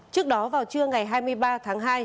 trước đó vào trưa ngày hai mươi ba tháng hai